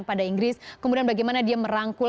pada inggris kemudian bagaimana dia merangkul